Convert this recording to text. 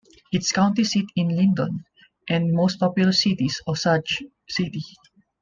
Its county seat is Lyndon, and its most populous city is Osage City.